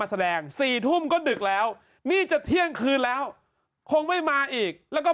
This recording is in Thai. แสดงสี่ทุ่มก็ดึกแล้วนี่จะเที่ยงคืนแล้วคงไม่มาอีกแล้วก็